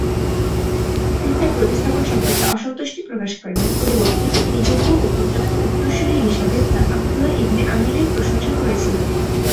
তিনি তার প্রতিস্থাপন সম্পর্কে অসন্তুষ্টি প্রকাশ করেননি, পরিবর্তে তিনি যোগ্য ও পর্যাপ্ত উত্তরসূরি হিসাবে তার আবদুল্লাহ ইবনে আমিরের প্রশংসা করেছিলেন।